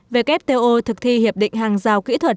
wto thực thi hiệp định hàng rào kỹ thuật